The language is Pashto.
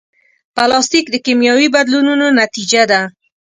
پلاستيک د کیمیاوي بدلونونو نتیجه ده.